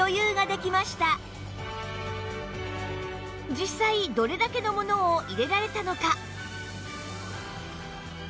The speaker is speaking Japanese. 実際どれだけのものを入れられたのか？